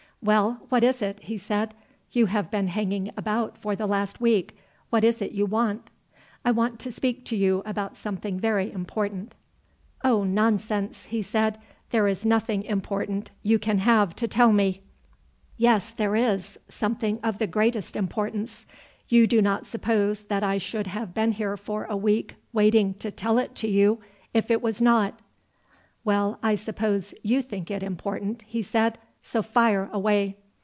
"Well, what is it?" he said. "You have been hanging about for the last week. What is it you want?" "I want to speak to you about something very important." "Oh, nonsense!" he said. "There is nothing important you can have to tell me." "Yes, there is; something of the greatest importance. You do not suppose that I should have been here for a week waiting to tell it to you, if it was not." "Well, I suppose you think it important," he said; "so fire away."